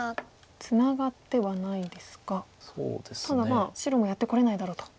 ツナがってはないですがただまあ白もやってこれないだろうと。